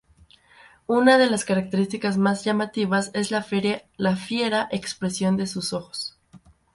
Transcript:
Una de las características más llamativas es la fiera expresión de sus ojos.